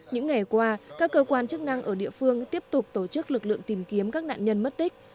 những ngày qua các cơ quan chức năng ở địa phương tiếp tục tổ chức lực lượng tìm kiếm các nạn nhân mất tích